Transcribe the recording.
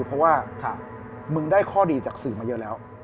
เพราะว่ามึงได้ข้อดีจากสื่อมาเยอะแล้ว